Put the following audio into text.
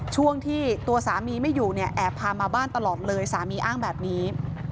ช่วงที่ตัวสามีไม่อยู่เนี่ยแอบพามาบ้านตลอดเลยสามีอ้างแบบนี้